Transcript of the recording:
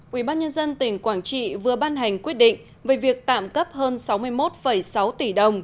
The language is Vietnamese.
quỹ bác nhân dân tỉnh quảng trị vừa ban hành quyết định về việc tạm cấp hơn sáu mươi một sáu tỷ đồng